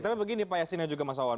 tapi begini pak yasin yang juga masawan